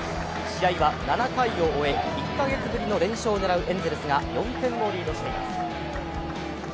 試合は７回を終え１カ月ぶりの連勝を狙うエンゼルスが４点をリードしています。